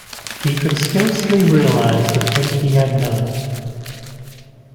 He could scarcely realise the thing he had done.